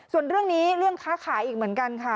ส่วนเรื่องนี้เรื่องค้าขายอีกเหมือนกันค่ะ